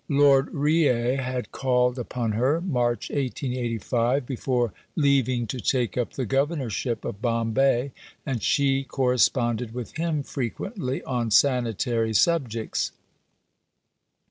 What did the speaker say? Lord Reay had called upon her (March 1885) before leaving to take up the governorship of Bombay, and she corresponded with him frequently on sanitary subjects.